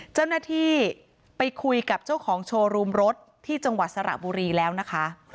เจ้าหน้าที่ไปคุยกับเจ้าของโชว์รูมรถที่จังหวัดสระบุรีแล้วนะคะ